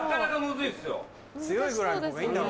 強いぐらいのほうがいいんだろ。